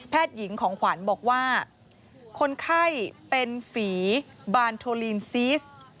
หญิงของขวัญบอกว่าคนไข้เป็นฝีบานโทลีนซีส